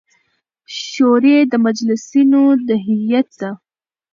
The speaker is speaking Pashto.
شوري د مجلسـینو د هیئـت د